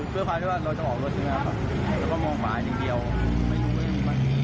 เพื่อภาพที่ว่าเราจะออกรถนะครับแล้วก็มองฝ่ายอย่างเดียวไม่รู้ว่าจะมีมั้ย